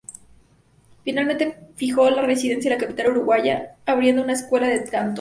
Finalmente fijó la residencia en la capital uruguaya, abriendo una escuela de canto.